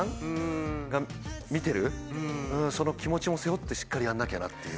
その気持ちも背負ってしっかりやんなきゃなっていう。